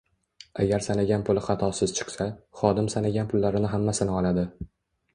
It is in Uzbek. Agar sanagan puli xatosiz chiqsa, xodim sanagan pullarini hammasini oladi.